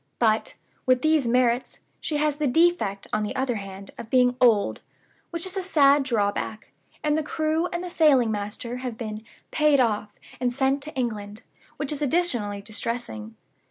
But, with these merits, she has the defect, on the other hand, of being old which is a sad drawback and the crew and the sailing master have been 'paid off,' and sent home to England which is additionally distressing.